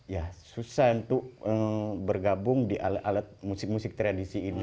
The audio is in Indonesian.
ya susah untuk bergabung di alat alat musik musik tradisi ini